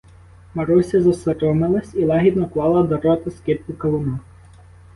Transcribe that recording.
Маруся засоромилась і лагідно клала до рота скибку кавуна.